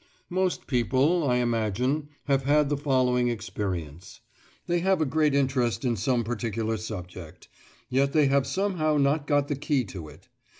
Most people, I imagine, have had the following experience. They have a great interest in some particular subject, yet they have somehow not got the key to it.